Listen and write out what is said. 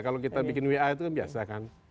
kalau kita bikin wa itu kan biasa kan